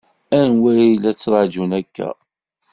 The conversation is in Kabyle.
Anwa i la ttṛaǧun akka?